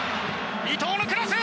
伊東のクロス！